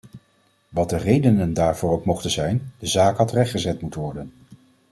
Wat de redenen daarvoor ook mochten zijn, de zaak had rechtgezet moeten worden.